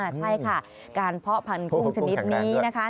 ใช่ค่ะการเพาะพันธุ้งชนิดนี้นะคะ